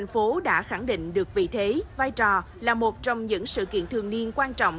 phố đã khẳng định được vị thế vai trò là một trong những sự kiện thường niên quan trọng